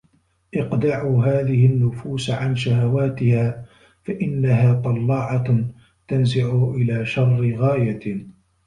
اقْدَعُوا هَذِهِ النُّفُوسَ عَنْ شَهَوَاتِهَا فَإِنَّهَا طَلَّاعَةٌ تَنْزِعُ إلَى شَرِّ غَايَةٍ